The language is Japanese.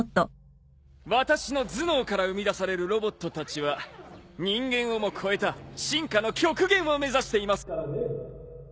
私の頭脳から生み出されるロボットたちは人間をも超えた進化の極限を目指していますからね。